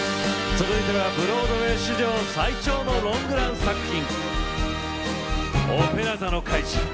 続いてはブロードウェイ史上最長のロングラン作品。